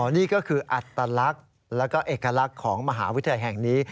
นี่ก็คืออัตลักษณ์แล้วก็เอกลักษณ์ของมหาวิทยาลัยแห่งนี้